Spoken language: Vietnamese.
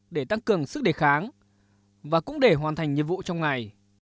để tăng cường sức đề kháng và cũng để hoàn thành nhiệm vụ trong ngày